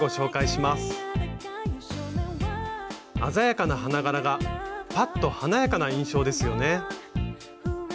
鮮やかな花柄がパッと華やかな印象ですよね。